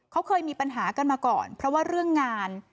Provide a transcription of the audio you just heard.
เขาเคยมีปัญหากันมาก่อนเพราะว่าเรื่องงาน